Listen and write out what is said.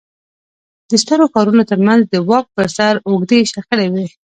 د سترو ښارونو ترمنځ د واک پر سر اوږدې شخړې وې